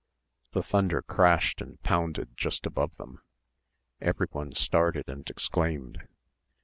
The thunder crashed and pounded just above them. Everyone started and exclaimed.